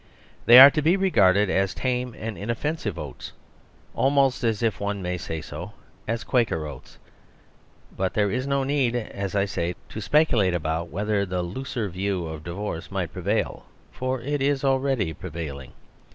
They are to be regarded as tame and inoffensive oats;^ almost, if one may say so, as Quaker oats. But there is no need, as I say, to speculate about whether the looser view of divorce might prevail; for it is already prevailing.